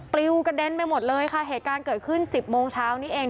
ลิวกระเด็นไปหมดเลยค่ะเหตุการณ์เกิดขึ้นสิบโมงเช้านี้เอง